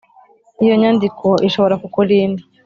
Iyo nyandiko ishobora kukurinda